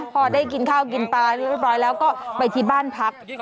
พอได้กินข้าวกินปลาเรียบร้อยแล้วก็ไปที่บ้านพัก